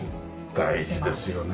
大事ですよね。